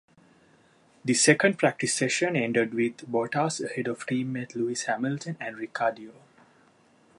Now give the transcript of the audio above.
The second practice session ended with Bottas ahead of teammate Lewis Hamilton and Ricciardo.